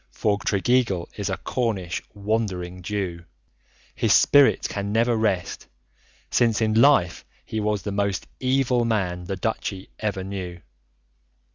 For Tregeagle is a Cornish "Wandering Jew"; his spirit can never rest, since in life he was the most evil man the Duchy ever knew.